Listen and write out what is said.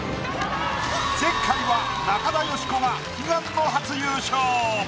前回は中田喜子が悲願の初優勝！